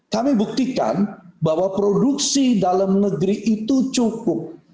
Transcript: kami buktikan bahwa produksi dalam negeri itu cukup